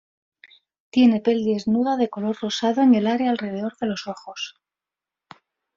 Tiene piel desnuda de color rosado en el área alrededor de los ojos.